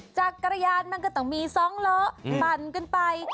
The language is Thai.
จักรยานมันก็ต้องมี๒ล้อปั่นกันไป